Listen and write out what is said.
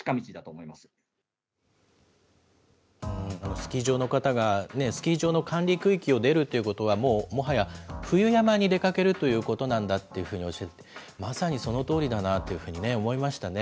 スキー場の方が、スキー場の管理区域を出るということは、もはや冬山に出かけるということなんだとおっしゃっていて、まさにそのとおりだなっていうふうに思いましたね。